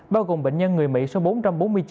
bao gồm bệnh nhân người mỹ số bốn trăm bốn mươi chín